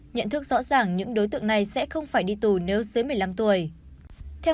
nhận thức rõ ràng những đối tượng này sẽ không phải đi tù nếu dưới một mươi năm tuổi